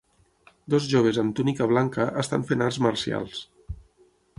Dos joves amb túnica blanca estan fent arts marcials.